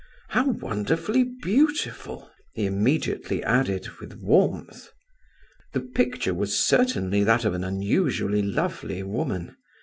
"How wonderfully beautiful!" he immediately added, with warmth. The picture was certainly that of an unusually lovely woman.